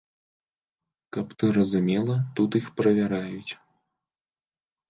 Каб ты разумела, тут іх правяраюць.